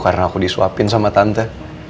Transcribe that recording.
karena aku disuapin sama tante